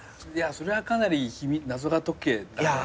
それはかなり謎が解けたね。